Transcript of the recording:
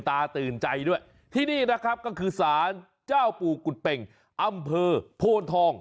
ตาตื่นใจด้วยที่นี่นะครับก็คือสารเจ้าปู่กุฎเป่งอำเภอโพนทอง